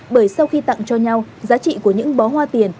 bởi sau khi tặng cho nhau giá trị của những bó hoa tiền